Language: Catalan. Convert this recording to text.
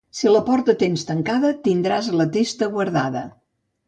Si la porta tens tancada, tindràs la testa guardada.